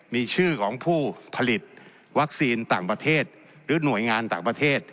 มีชื่อของผู้ผลิตวัคซีนต่างประเทศหรือหน่วยงานต่างประเทศ